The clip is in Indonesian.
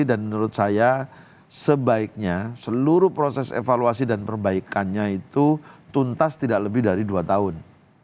dan menurut saya sebaiknya seluruh proses evaluasi dan perbaikannya itu tuntas tidak lebih dari dua tahun